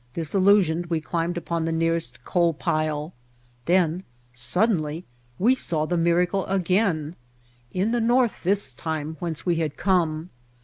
Disillusioned, we climbed upon the nearest coal pile, then suddenly we saw the miracle again, in the north this time, whence we had come.